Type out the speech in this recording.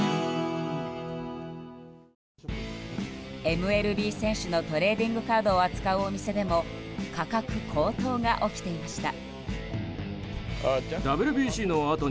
ＭＬＢ選手のトレーディングカードを扱うお店でも価格高騰が起きていました。